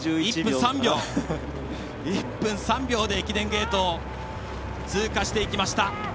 １分３秒で駅伝ゲートを通過していきました。